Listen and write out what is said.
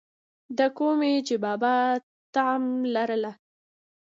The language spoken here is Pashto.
دَکومې چې بابا طمع لرله،